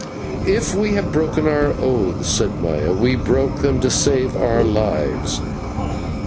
"If we have broken our oaths," said Maya, "we broke them to save our lives.